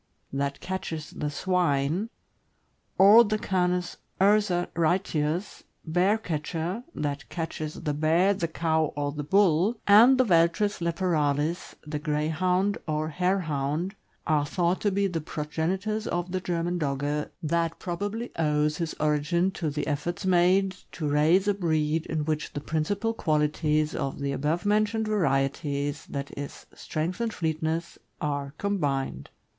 "that catches the swine," or the Canis ursaritius (bear catcher), "that catches the bear, the cow, or the bull," and the Veltris leporalis (the Greyhound or Harehound), are thought to be the progenitors of the German Dogge, that probably owes his origin to the efforts made to raise a breed in which the principal qualities of the above mentioned varieties, i. e., strength and fleetness, are combined.